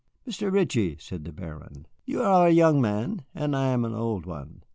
"Mr. Ritchie," said the Baron, "you are a young man and I an old one.